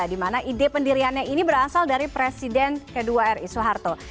dimana ide pendiriannya ini berasal dari presiden kedua ri soeharto